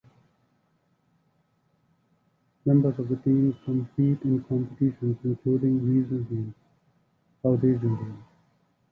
Members of the team compete in competitions including regional games (South Asian Games).